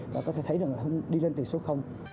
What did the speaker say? là có thể thấy rằng hưng đi lên từ số